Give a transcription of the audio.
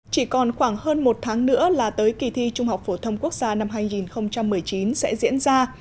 chỉ còn khoảng hơn một tháng nữa là tới kỳ thi trung học phổ thông quốc gia năm hai nghìn một mươi chín sẽ diễn ra